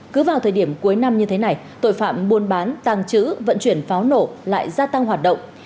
cứ vào thời điểm cuối năm như thế này tội phạm buôn bán tàng trữ vận chuyển pháo nổ lại gia tăng hoạt động